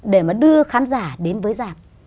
để mà đưa khán giả đến với giảm